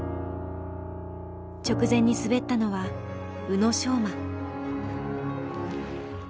直前に滑ったのは宇野昌磨。